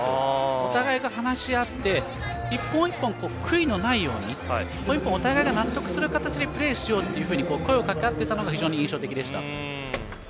お互いが話し合って１本１本悔いのないように１本１本、お互いが納得する形でプレーしようと声をかけ合っていたのが印象的でした。